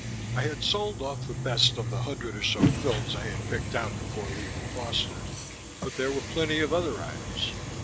I had sold off the best of the hundred or so films I had picked out before leaving Foster, but there were plenty of other items.